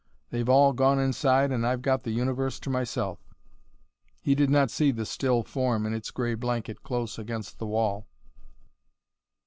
"They've all gone inside and I've got the universe to myself." He did not see the still form in its gray blanket close against the wall.